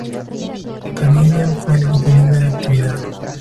Canadian fue el equipo libre de actividad.